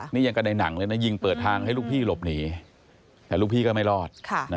นี่ยังกันในหนังเลยนะยิงเปิดทางให้ลูกพี่หลบหนีแต่ลูกพี่ก็ไม่รอด